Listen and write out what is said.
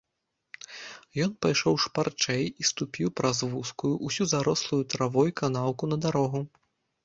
Ён пайшоў шпарчэй і ступіў праз вузкую, усю зарослую травой канаўку на дарогу.